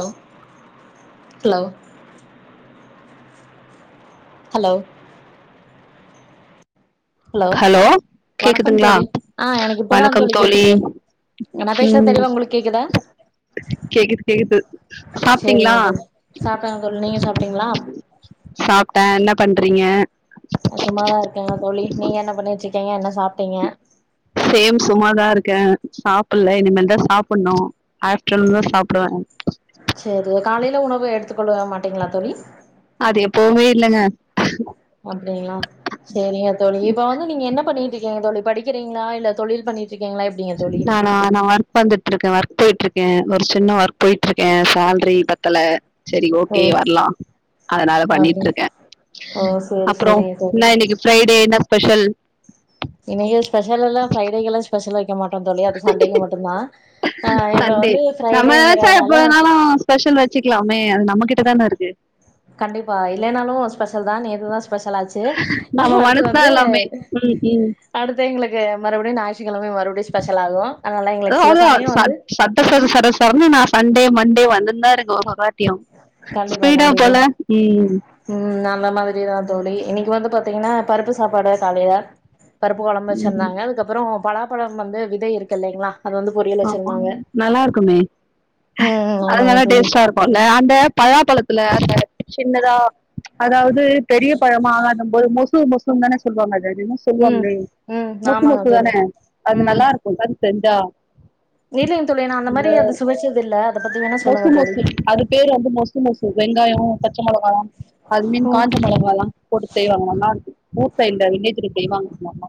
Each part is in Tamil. ஹலோ ஹலோ ஹலோ ஹலோ வணக்கம் கேக்குதுங்ளா தோழி ஆ எனக்கு இப்பதா வணக்கம் தோழி கேக்குது நா பேசுறது ம் தெளிவா உங்களுக்கு கேக்குதா கேக்குது கேக்குது சாப்டீங்களா சேரிங்க தோழி சாப்ட்டேங்க தோழி நீங்க சாப்ட்டீங்களா சாப்டேன் என்ன பண் றீங்க சும்மாதா இருக்கேங்க தோழி நீங்க என்ன பண்ணிட்ருகீங்க என்ன சாப் சேம் சும்மாதான் இருக்கேன் சாப்புல இனிமேல்தான் சாப்புணும் ஆஃப்டர்நூன் தான் சாப்டுவேன் செரி காலைல உணவு எடுத்துக்கொள்ள மாட்டீங்களா தோழி இல்லங்க அப்டிங்ளா செரிங்க தோழி இப்ப வந்து நீங்க என்ன பண்ணிட்டு இருக்கீங்க தோழி படிக்கிறீங்களா இல்ல தொழில் பண்ணிட் நானா நா ஒர்க் வந்துட்டுருக்கேன் ஒர்க் போய்ட்டுருக் கேன் ஒரு சின்ன ஒர்க் போய்ட்டு ருக்கேன் சால்ரி பத்தல சரி ஓ ஓகே வரலா அதனால அப்டி பண்ணிட்டுருக்கேன் ஓ சேரி அப்ரோ சேரிங்க தோழி என்ன இன்னைக்கு ஃப்ரைடே என்ன ஸ் பெஷல் இன்னைக்கு ஸ்பெஷல் எல்லாம் ஃப்ரைடே எல்லா ஸ்பெஷல் வெக்க மாட்டோ தோழி அது சண்டேக்கு மட்டுந்தா ஆ இப்ப சண்டே வந்து நம்ம நெனச்ச எப்ப ஃப்ரைடேங்கறனால வேனாலும் ஸ்பெஷல் வச்சுக்லாமே அது நம்ம கிட்ட தான இருக்கு கண்டிப்பா இல்லனாலும் ஸ்பெஷல் தான் நேத்துதான் ஸ்பெஷலாச்சு நம்ம அடுத்து மனசுதான் வந்து எல்லாமே ம், அடுத்து எங்களுக் மறுபடியும் [unintelligible] அத சில அவ்ளதா சமயோ வந்து சட் சட்டச சரசரன்னு நான் சண்டே மன் டே வந்துன்னு தா இருக்கோ ஒவ்வொரு வாட் டியு கண்டிப்பா ஸ்பீடா போல ம் அந்தமாதிரி தா தோழி இன்னைக்கு வந்து பாத்தீங்கன்னா பருப்பு சாப்பாடு காலைல பருப்பு கொழம்பு ம். வச்சிருந்தாங்க அதுக்கப்பறம் பலாப்பழம் வந்து விதை இருக்கில்லைங்களா ஆமா நல்லா இருக்குமே ம் அது ஆமாங்க நல்லா தோழி டேஸ்ட்டா இருக்கும் அந்த அந்த பலாப்பழத்துல அந்த சின்னதா அதாவது பெரிய பழமா ஆகாத போது மொசு மொசு தான சொல்லுவாங்க அத என ம் சொல்லுவாங்ளே ம் மொசு ஆமாங்க தோழி மொசுதானே அது ம் நல்லாருக்கு அது செஞ்சா இல்லைங்க தோழி நா அந்த மாதிரி அது சுவைச்சது இல்ல பத்தி வேணா மொசு சொல்லுங்க தோழி மொசு அது பேரு வந்து மொசு மொசு வெங்காயம் பச்ச மிளகா எல்லாம் அது மீன் ம் காஞ்ச மிளகா எல்லாம் போட்டு செய்வாங்க நல்லா இருக்கும் ப்பஇந்த வில்லஜ்க்கு தெரிமாங் ம்மாமா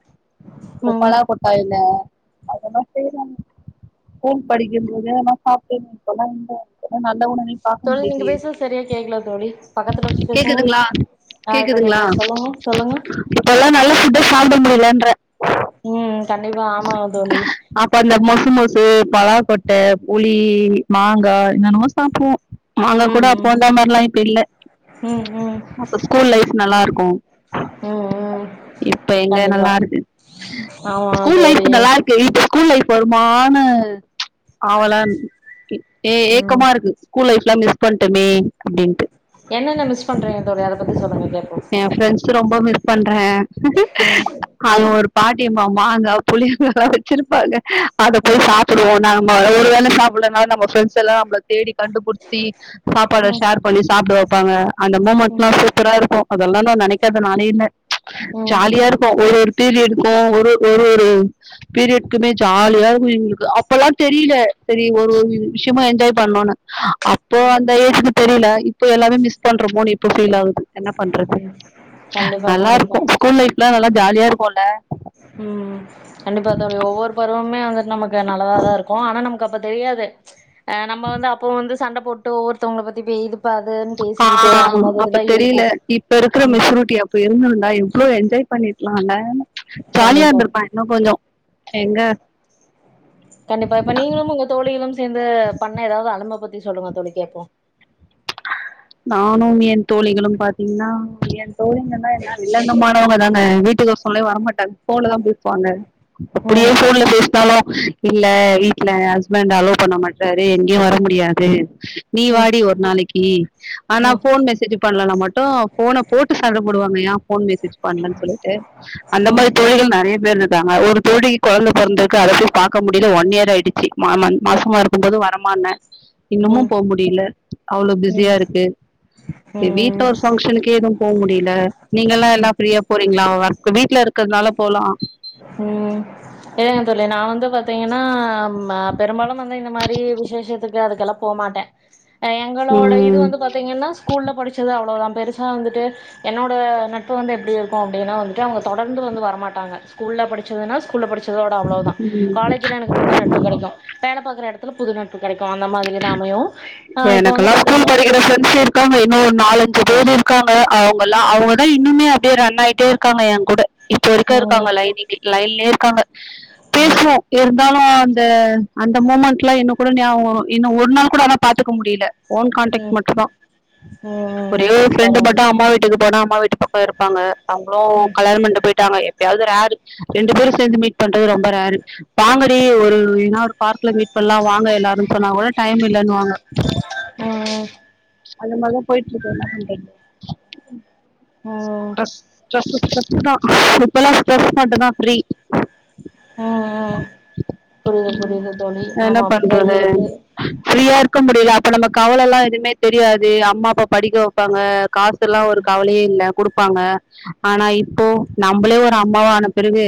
அப்புறம் ம் பலா கொட்டையில போன் படிக்க முடியாம்ம சாப்டேந்த குழம்ப அவ்ளோ நல்லவனா நீ பாக்க தோழி நீங்க முடியலயே பேசுறது சரியா கேக்கல தோழி பக்கத்துல வச்சு பேசுங்க கேக்குதுங்களா ஆ இப்ப கேக்குதுங்களா கேக்குது சொல்லுங்க சொல்லுங்க இப்பல்லாம் நல்ல ஃபுட் சாப்ட முடியல ம் கண்டிப்பா ஆமாங்க தோழி அப்ப அந்த மொசு மொசு பலா கொட்ட புளி மாங்கா என்னென்னமோ சாப்டுவோம் நாங்க ம் கூட ம் அப்போயிருந்தா மாதிரிலாம் இப்ப இல்ல ம் ம் அப்ப ஸ்கூல் லைஃப் நல்லா இருக்கும் ம் ம் இப்ப எங்க கண்டிப்பா நல்லா இருக்கு ஆமா ஸ்கூல் தோழி லைஃப் நல்லா இருக்கு ஸ்கூல் லைப் வருமானு ச் ஆவலா ஏ ம் ஏக்கமா இருக்கு ஸ்கூல் லைஃப் நா மிஸ் பண்டமே என்னென்ன மிஸ் பண்றீங்க தோழி அத பத்தி சொல்லுங்க கேப்போ பண்றே ம் அது ஒரு பாட்டியம் ஆமா அந்த புளியங்காலாம் வச்சிருப்பாங்க அத ம் போய் சாப்பிடுவோம் நா ஒரு வேள சாப்பிடலனாலு நம்ப ப்ரெண்ட்ஸ் எல்லாம் நம்மள தேடி கண்டுபிடித்தி சாப்பாட ம் ஷேர் பண்ணி சாப்ட வைப்பாங்க அந்த ம் மொமெண்ட்ல்லா சூப்பரா இருக்கு அதெல்லா நா நெனைக்காத நாளே இல்ல ம் ஜாலியா இருக்கு ஒரு பீரியடுக்கும் ஒரு ஒரு ஒரு ஒரு ஒரு பீரியட்குமே ஜாலியா இருக்கும் எங்களுக்கு அப்பல்லாம் தெரியல சேரி ஒரு விஷயமும் என்ஜாய் பண்ணணூனு ஆஹ் அப்போ அந்த ஏஜ்க்கு தெரியலாகி இப்ப எல்லாமே மிஸ் பண்றமோ இப்ப ஃபீல் ஆகுது என்ன பண்றது ம் கண்டிப்பா நல்லா கண்டிப்பா இருக்கும் ஸ்கூல் லைப் நல்ல ஜா ஜாலியா இருப்போல ம் ம் கண்டிப்பா தோழி ஒவ்வொரு பருவமே வந்துட் நமக்கு நல்லதா தா இருக்கு ஆனா நமக்கு அப்ப தெரியாது ஆ நம்ம வந்து அப்போ வந்து சண்ட போட்டோ ஒவ்வொருத்தவங்கள பத்தி பே இது ஆ அப்ப தெரியல இருக்கு இப்ப இருக்கிற ம் மெச்சூரிட்டி அப்ப இருந்துருந்தா எவ்ளோ என்ஜாய் பண்ணிருக் லால ஜாலியா கண்டிப்பா இருந்திருப்ப இன்னு கொஞ்சோ எங்க கண்டிப்பா இப்ப நீங்களும் உங்க தோழிகளும் சேந்து பண்ண எதாவது அலம்ப பத்தி சொல்லுங்க தோழி கேப்போ நானும் என் தோழிகளும் பாத்தீங்கன்னா ஏ தோழிங்க தா என்ன வில்லங்கமானவங்கதாங்க வீட்டுக்கு கொள்ளா வரமாட்டாங்க ஃபோன்ல தா பேசு ப்பாங்க அப்டியே ம் ஃபோன்ல பேசுனாலு இல்ல வீட்ல ஏ ஹஸ்பண்ட் அலோ பண்ண மாட்றாரு எங்கயு வர முடியாது நீ ம் வாடி ஒரு நாளைக் கி ஆனா ம் ஃபோன் மெசேஜ்ஜி பண்லனா மட்டு ஃபோன போட்டு சண்ட போடுவாங்க யா ஃபோன் மெசேஜ் பண்லன்னு சொல்லிட்டு அந்த ம் மாரி தோழிகள் நறைய [unintelligible] ஒரு தோழிக்கு கொழந்த பொறந்துருக்கு அத போய் பாக்க முடியல ஒன் இயர் ஆயிடுச்சு மா மன் மாசமா இருக்கும் போது வரமான்ன இன்னமு ம் போ முடியல அவ்ளோ ம் பிஸியாருக் கு ஏ ம் வீட்ல ம் ஒரு ஃபங்க்ஷனுக்கே எது போ முடியல நீங்களா எல்லா ஃப்ரீயா போறி ங்களா வர்க் வீட்ல இருக்கிறதுனால போலா ம் இருங்க தோழி நா வந்து பாத்தீங்கன்னா ம பெரும்பாலு வந்து இந்த மாரி விசேஷத்துக்கு அதுக்கெல்லா போமாட்ட ஆ எங்களோட இது ம் வந்து பாத்தீங்கன்னா ஸ்கூல்ல படிச்சது அவ்ளோதா பெருசா வந்துட்டு என்னோட நட்பு வந்து எப்டி இருக்கு அப்டின்னா வந்துட்டு அவங்க தொடர்ந்து வந்து வரமாட்டாங்க ஸ்கூல்ல படிச்சதுன்னா ஸ்கூல்ல படிச்சதோட அவ்ளோ தா ம் காலேஜில எனக்கு புது நட்பு கெடைக்கு வேல பாக்குற எடத்துல புது நட்பு கெடைக்கு அந்த மாதிரிதா அமையு ஆ இப்ப வந்து எனக்கெல்லா ஸ்கூல் பாத்தீங்கன்னா படிக்கிற ஃப்ரண்ட்ஸ் இருக்காங்க என்ன ஒரு நாலஞ்சு பேரு இருக்காங்க அவங்கலா அவங்கதா இன்னுமே அப்டியே ரன் ஆயிட்டேயிருக்காங்க ஏ கூட இப்ப இருக்கா ம் இருக்காங்க லைன்க் லைன்லியே காங்க ம் பேசுவோ இருந்தாலு த அந்த மொமெண்ட்லா இன்னு கூட நியவோ வரு இன்னு ஒரு நாள் கூட ஆனா பாத்துக்க முடியல ஓன் கான்டக்ட் ம் ம் மட்டுதா ம் ஒரே ஒ ஃப்ரெண்டு பரவால்ல மட்டு அம்மா வீட்டுக்கு போனா மா வீட்டு பக்கொ இருப்பாங்க அவுங்ளு கல்யாண பண்டு பொய்ட்டாங்க எப் எப்பாவது ரெரு ரெண்டு பேரு சேந்து மீட் பண்றது ரொம்ப ரெரு வாங்கடி ஒரு எதுனா ஒரு பார்க்ல மீட் பண்ணலா வாங்க எல்லாரு இப்பனா கூட டைம் இல்லன்னுவாங்க ஆஹ் அந்த மாரிதான் போயிட்டு இருக்குது என்ன பண்றது ம் ம் டஸ் டஸ் ஸ்ட்ரெஸ் தான் இப்பெல்லாம் ஸ்ட்ரெஸ் மட்டும் தான் ஃப்ரீ ம் ம் புரியுது புரியுது தோழி என்ன ஆமா அப்டிதா பண்றது இருக்கு ப்ரியா இருக் க்கோ முடில அப்ப நம்ம கவலலா எதுமே தெரியாது அம்மா அப்பா படிக்க வப்பாங்க காசுல்லா ஒரு கவலையே இல்ல குடுத் ப்பாங்க ஆனா இப்போ நம்பளே ஒரு ம் அம்மாவானப் பெருகு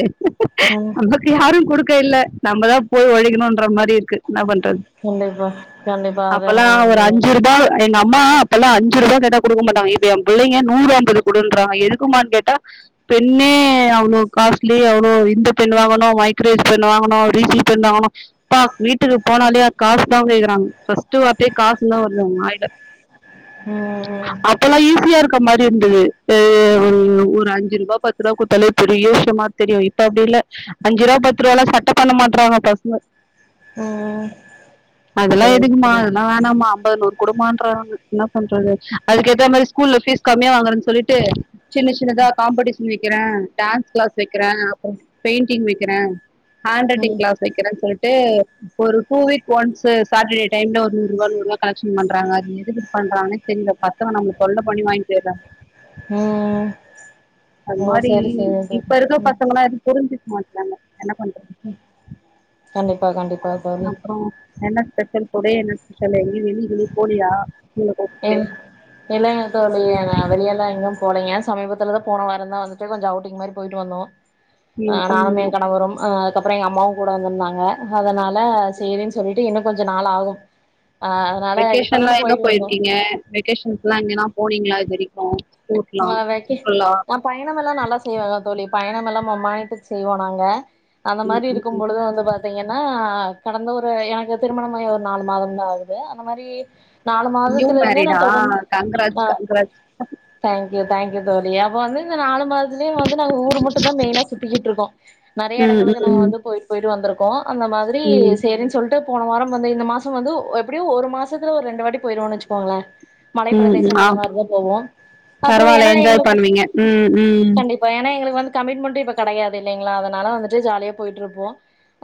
ம் நமக்கு யாரு குடுக் க இல்ல நம்ம தா போய் ஒழகணுன்ற மாரி இரு கு என்ன பண்றது கண்டிப்பா கண்டிப்பா அது அப்பல்லா என்னமோ ஒரு உண்மதா அஞ்சு ரூபா எங்க அம்மா அப்பெல்லா அஞ்சு ரூபா கேட்டா குடுக்க மாட்டாங்க இப்போ என் பிள்ளங்க நூறு அம்பது குடுன்றறாங்க எதுக்குமானு கேட்டா பெண்ணே அவ்ளோ காஸ்லி அவ்ளோ இந்த பெண் வாங்கணு மைக்ரேஸ் பெண் வாங்கணு ரீஃபில் பெண் வாங்கணுப்பா வீட்டுக்கு போனாலே காஸ் தா கேகுறாங்க ஃபஸ்ட்டு வார்த்தையே காசு தா வருது அவுங்க வாய் ம் ம் அப்பல்லா ஈஸியா இருக்க மார் இருந்துது ஒரு அஞ்சு ரூபா பத்து ரூபா குடுத்தாலே பெரிய விஷ்யமா தெரியு இப்ப அப்டி இல்ல அஞ்சு ரூபா பத்து ரூபால சட்ட பண்ண மாட்றாங்க பஸ்ங்க ம் அதெல்லா புரியுது எதுக்குமா புரியுது அதெல்லா வேணாம்மா அம்பது நூறு குடுமான்றாங்க என்ன பண்றது அதுக்கு ஏத்த மாரி ஸ்கூல்ல ஃபீஸ் கம்மியா வாங்குறேன் சொல்லிட்டு சின்ன சின்னதா காம்படிஷ் வக்கிற டான்ஸ் கிளாஸ் வக்கிற அப்றோ பெயிண்டிங் வக்கிற ஹாண்ட் ரைட்டிங் ம் கிளாஸ் வக்கிறே சொல்ட் ட்டு ஒரு ட்டூ வீக்ஸ் ஒன்ஸ் சாட்டடே டைம்ல ஒரு நூறு ரூவா நூறு ரூவா கலெக்ஷ்ன் பண்றாங்க அது எதுக்கு பண்றாங்கனே தெரில பசங்க நம்மள தொல்ல பண்ணி வாயின்போயிராங்க ம் அது ஓ மாரி சரி சரி இப்ப தோழி இருக்க பசங்களா எது புரிஞ்சுக் மாட் நம்ம என்ன பண்ற கண்டிப்பா கண்டிப்பா தோழி அப்றோ என்ன ஸ்பெசல் டுடே என்ன ஷோலி எங்கயு வெளிய கிளிய போலியா உங்களை கூப்பிட்டு எம் இல்லேங்க தோழி நா வெளியெல்லா எங்கும் போலங்க சமீபத்துலதா போனவரந்தா வந்துட்டு கொஞச அவுட்டிங் மாரி போய்ட்டு வந்தோ ஆ ம், நானு ஏ ம், கனவுரு ஆ கப்ற எங்கம்மாவு கூட வந்துருந்தாங்க ஹதனால சேரின் சொல்லிட்டு இன்ன கொஞ்ச நாள் ஆகும் ஆ அதனால வெக்கேஷன்லா இப்பதான எங்க போயிட்டு வந்தோ போயிர்க்கீங்க வெக்கேஷன்ஸ்லா இங்கனா போனீங்ளா இதுவரிக்கு ஆ வெக்கே நா பயணமெல்லா நல்லா செய்வக தோளி பயணமெல்லா ம மாயத்துக் செய்வோ நாங்க அந்த மாரி இருக்கும் பொலுது வந்து பாத்தீங்கன்னா கடந்த ஒரு எனகு திருமணமாயி ஒரு நாலு மாதம்தா ஆகுது அந்த மாரி நாலு ம்யூ மாதத்துல இருந்தே நா மேரிடா தொடர்ந்து கங்ராஜ் கங்ராஜ் க்யூ தேக்யூ தோளி எப்ப வந்து இந்த நாலு மாதத் துலே வந்து நாங்க ஊரு மட்டுதா மெயினா சுத்திகிட்ருக்கோ நறய ம் எடங்களுக்கு நாங்க ம் வந்து போய்ட் போய்ட் வந்துருக் போ அந்த மாதுரி ம் சேரின் சொல்ட்டு போன வாரம் வந்து இந்த மாச வந்து எப்டியு ஒரு மாசத்துல ஒரு ரெண்டு வாட்டி போயிருவோன் வச்சுக்கோங்ளே மலைப்ரதேசம் அந்த மாரிதா போவோ அப்றோ பரவால ஏன்னா என்ஜாய் எங்களுக்கு பண்வீங்க ம் ம் கமிட்மண்டு இப்ப கடையாது இல்லைங்ளா அதனால வந்துட்டு ஜாலியா போயிட்ருப்போ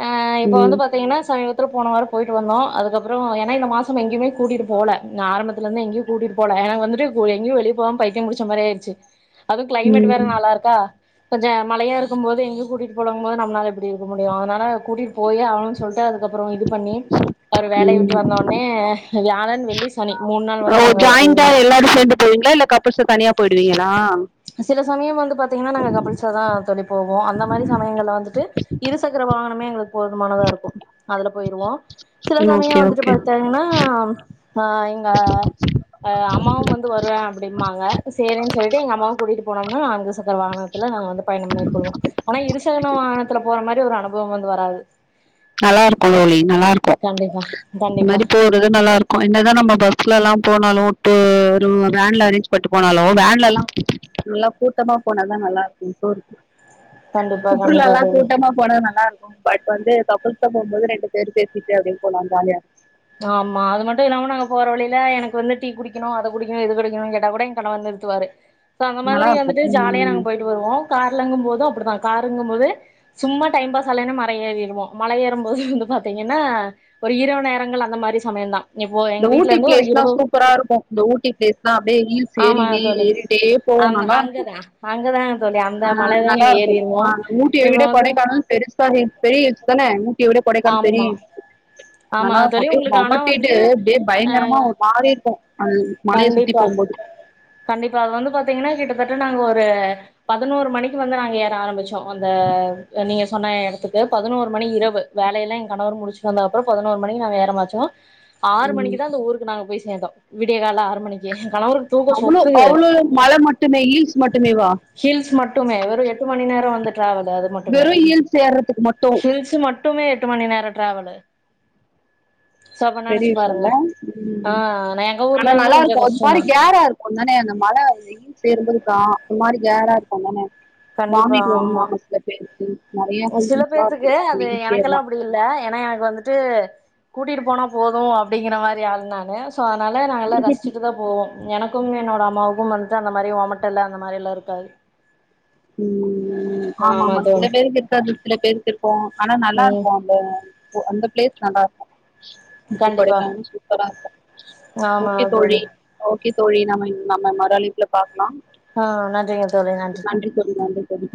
அஹ் இப்ப வந்து ம் பாத்தீங்ன்னா சய்வத் த்ரு போன வார போயிட்டு வந்தோ அதுக்கப்ரொ ஏனா இந்த மாசம் எங்யுமே கூட்டிட்டு போல நா ஆரம்பத்துலேந்தே எங்யு கூட்டிட்டு போல எனக்கு வந்துட்டு கு எங்கயு வெளிய போம் பைத்யம் புடுச்ச மாரி ஆயிர்ச்சு அது க்ளைமெட் வேற ம் நல்லாருக்கா கொஞ்ச மலையா இருக்கும்போது எங்கும் கூட்டிட் போலங்போது நம்ளால எப்டி இருக்க முடியு அதனால கூட்டிட் போயே ஆவனுன் சொல்ட்டு அதுக் அப்றோ இது பண்ணி அவுர் வேலய விட்டு ம் வந்தோனே யாலன் வெள்ளி சனி மூண் நாள் ஓ வந்து நாங்க போயிருந்தோ புர்ச தனியா போய்டுவீங்களா சில சமய வந்து பாத்தீங்கன்னா நாங்க கப்புல்சாதா தோளி போவோ அந்த மாரி சமயங்கள்ல வந்துட்டு இருசக்கர வாகனமே எங்ளுக் போதுமானதா இருக்கு அதுல போயிருவோ சில ஓகே சமய வந்துட்டு ஓகே பாத்தங்னா அ எங்க அம்மாவு வந்து வருவ அப்டிம்மாங்க சேரின் சொல்ட்டு எங்கம்மாவ் கூடிட் போனவ்க அங்கஸ் சக்கர வாகனத்ல நாங்க வந்து பயணம் மேற்கொள்வோ ஆனா இருசக்ன வாகனத்ல போற மாரி ஒரு அனுபவம் வந்து வராது நல்லாருக்கு தோழி நல்லார்க்கு கண்டிப்பா கண்டிப்பா மரி போறது நல்லாருக்கு என்னதா நம்ம பஸ்லலா போனாலு இப்ப ஒரு வேன்ல அரேஞ்ச் பண்ணிட்டு போனாலோ வேன்லலா எல்லா கூட்டமா போனாதா நல்லாருக்கு டூருக்கு கண்டிப்பா கண்டிப்பா சுற்றுலாலா தோழி கூட்டமா போனா நல்லாருக்கு பட் வந்து தப் கூட்டமா போம்போது ரெண்டு பேரு பேசிட்டே அப்டியே போனாலு ஜாலியாருக் ஆமா அது மட்டு இல்லாம நாங்க போற வழில எனக்கு வந்து டீ குடிக்கணு அத குடிக்கணு இத குடிக்கணுன்னு கேட்டாக்கூட எ கணவர் நிறுத்துவாரு சோ அந்த இருக்கு நல்லா மாதிரி இருக்கும் வந்துட்டு ஜாலியா ம் நாங்க போயிட்டு வருவோ கார்லங்கும் போது அப்டிதா காருங்கும்போது சும்மா டைம் பாஸ்ஸாலைன்னா மர ஏறிருவோ மல ஏறும் போது வந்து பாத்தீங்கன்னா ஒரு இரவு நேரங்கள்ல அந்த மாரி சமய தா இந்த ஊட்டி ப்ளேஸ்லா சூப்பராருக்கு இந்த ஊட்டி ப்ளேஸ்லா அப்டியே ஹீல்ஸ் ஆமா ஏறின்னே தோழி. ஏறிட்டே போவோ அங் நல்லாருக்கு அங்கதான் அங்கதாங்க தோழி. அந்த ஆ மலைதான் நாங்க நல்லாருக்கு ஆ ஏறிருவோம். ஊட்டிய இப்ப விட வந்து கொடைக்கானல் பெருசா ஹில்ஸ் பெரிய ஹில்ஸ் தானே ஊட்டிய விட கொடைக்கானல் பெரிய ஆமா. ஹில்ஸ்ஸு ஆமா நாலா தோழி அப்டியே உங்களுக்கு ஆனா கொமட்டிட்டு வந்துட்டு இப்டியே பயங்கரமா ஒரு மாரிருக்கு அது மலைய சுத்தி கண்டிப்பா. போம்போது தட்ட நாங்க ஒரு பதினோரு மணிக்கு வந்து நாங்க ஏற ஆரம்பிச்சோ அந்த நீங்க சொன்ன எடத்துக்கு பதினோரு மணி இரவு வேலையெல்லா எ கணவர் முடிச்சுட்டு வந்தா அப்பறோ பதினோரு மணிக்கு நா ஏறமாச்சோ ஆறு மணிக்கு தா அந்த ஊருக்கு நாங்க போய் சேந்தோ விடிய காலைல ஆறு மணிக்கு கணவருக்கு தூக்கோ அவ்ளோ சொக்குது அவ்ளோ மல மட்டுமே ஹீல்ஸ் மட்டுமேவா ஹில்ஸ் மட்டுமே வெறு எட்டு மணி நேரோ வந்துட் வெறு ஹில்ஸ் ஏறத்துக்கு மட்டு ட்டுமே எட்டு மணி நேரோ டிராவலு சோ அப்ப பெரிய நெனச்சு பாருங்க விஷ்யோல்ல ம் ஆ ம் எங்க ஆனா ஊர்ல இருந்து கொஞ்சோ நல்லாருக்கு ஒரு மாரி கஷ்டந்தா கேராருக்கும் தானே அந்த மல வெயில் சேர்ந்துருக்கு ஒரு மாரி கேராருக்கு தான வாமிட் வருமா சில பேருக் அ சில பேத்துக்கு அது வெயில் எனக்கெல்லா சேரலாம் அப்டி இல்ல ஏன்னா எனக்கு வந்துட்டு கூட்டிட்டு போனா போது அப்டிங்கிற மாரி ஆள் நானு சோ அதனால நாங்க எல்லா ரசிச்சுட்டு தா போவோ எனக்கும் என்னோட அம் மாக்கு வந்துட்டு அந்த மாரி ஓமட்டலு அந்த மாரியெல்லா இருக்காது ம் ஆமா ஆமா சில பேருக்கு க்காது சில பேருக்கு இருக்கு ஆனா ம் நல்லாருக்கு அந்த அந்த ப்ளேஸ் நல்லாருக்கு ஊட்டி கண்டிப்பா கொடைக்கானல் சூப்பராருக்கு ஓகே தோழி ஓ கே தோழி நம்ம நம்ம மறு அழைப்புல பாக்கலா ஆ நன்றிங்க தோழி நன்றிங்க [unintelligible] தோழி